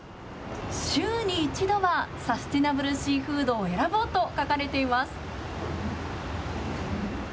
週に１度はサステナブルシーフードを選ぼうと書かれています。